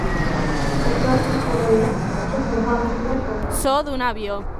توردا بۇ توغرىلىق جىق مۇھاكىمىلەر بولدى.